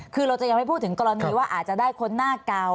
คือเราจะยังไม่พูดถึงกรณีว่าอาจจะได้คนหน้าเก่า